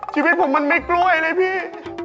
ชีวิตผมมันไม่กล้วยเลยพี่